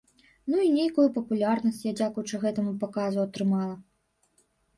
Ну і нейкую папулярнасць я, дзякуючы гэтаму паказу, атрымала.